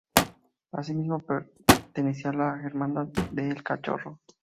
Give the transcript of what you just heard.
Asimismo pertenecía a la Hermandad de El Cachorro.